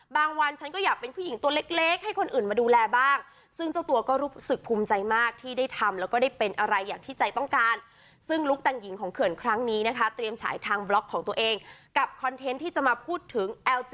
บางวันฉันก็อยากเป็นผู้หญิงตัวเล็กให้คนอื่นมาดูแลบ้าง